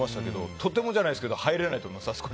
とてもじゃないですけど入れないと思いますよ。